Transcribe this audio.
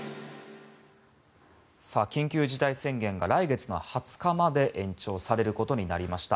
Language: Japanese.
緊急事態宣言が来月の２０日まで延長されることになりました。